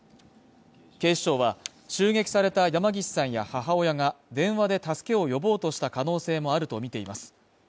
警視庁は、襲撃された山岸さんや母親が電話で助けを呼ぼうとした可能性もあるとみています。